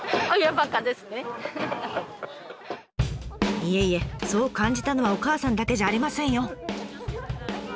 いえいえそう感じたのはお母さんだけじゃありませんよ！